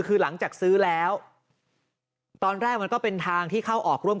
คือหลังจากซื้อแล้วตอนแรกมันก็เป็นทางที่เข้าออกร่วม